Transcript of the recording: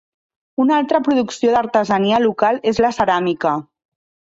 Una altra producció d'artesania local és la ceràmica.